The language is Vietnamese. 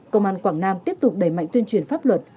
công an quảng nam tiếp tục đẩy mạnh tuyên truyền pháp luật